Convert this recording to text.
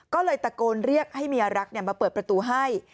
ก็เลยตะโกนเรียกให้เมียรักมาเปิดประตูให้